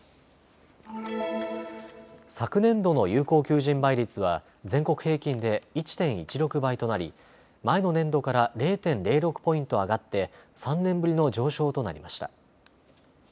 昨年度の有効求人倍率は全国平均で１．１６倍となり前の年度から０．０６ポイント上がって３年ぶりの上昇となりました。